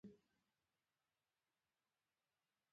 د وینو ویالې په کې بهیدلي دي.